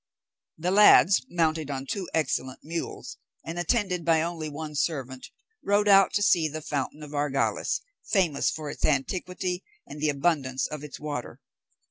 The lads, mounted on two excellent mules, and attended by only one servant, rode out to see the fountain of Argales, famous for its antiquity and the abundance of its water.